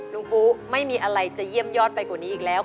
ปูไม่มีอะไรจะเยี่ยมยอดไปกว่านี้อีกแล้ว